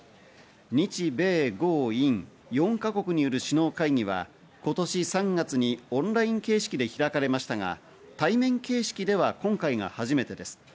日米豪印４か国による首脳会議は今年３月にオンライン形式で開かれましたが対面形式では今回が初めてです。